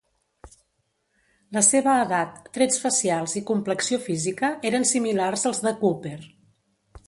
La seva edat, trets facials i complexió física eren similars als de Cooper.